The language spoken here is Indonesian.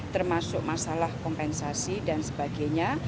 termasuk masalah kompensasi dan sebagainya